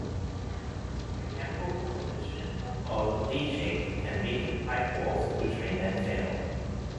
The chemical composition of leachate can weaken pipe walls, which may then fail.